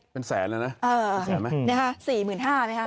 เป็นแสนแล้วนะเป็นแสนไหมอืมอืมอืมอืมอืมอืมอืมอืมอืมอืม